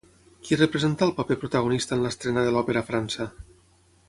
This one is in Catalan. Qui representà el paper protagonista en l'estrena de l'òpera a França?